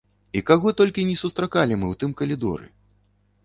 І каго толькі не сустракалі мы ў тым калідоры!